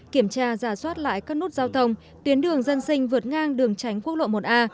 kiểm tra giả soát lại các nút giao thông tuyến đường dân sinh vượt ngang đường tránh quốc lộ một a